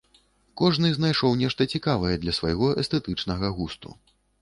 Кожны знайшоў нешта цікавае для свайго эстэтычнага густу.